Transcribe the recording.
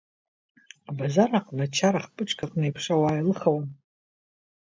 Абазар аҟны чара хпыҿк аҟны еиԥш ауаа еилыхауан.